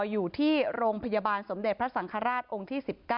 อยู่ที่โรงพยาบาลสมเด็จพระสังฆราชองค์ที่๑๙